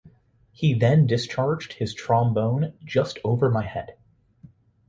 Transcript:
He then discharged his trombone just over my head.